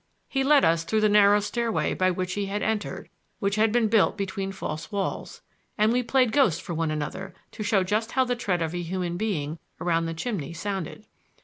He led us through the narrow stairway by which he had entered, which had been built between false walls, and we played ghost for one another, to show just how the tread of a human being around the chimney sounded.